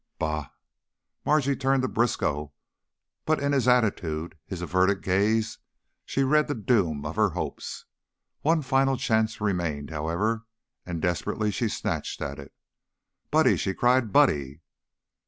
"Bah!" Margie turned to Briskow, but in his attitude, his averted gaze, she read the doom of her hopes. One final chance remained, however, and desperately she snatched at it. "Buddy!" she cried. "_Buddy!